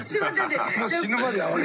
もう死ぬまで会わない」。